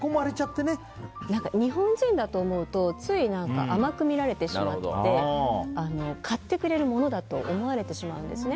日本人だと思うとつい甘く見られてしまって買ってくれるものだと思われてしまうんですね。